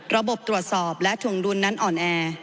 ระบบตรวจสอบและถวงดุลนั้นอ่อนแอ